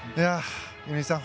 乾さん